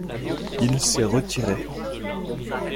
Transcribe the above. Il s’est retiré.